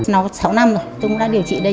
nói sáu năm rồi tôi cũng đang điều trị đây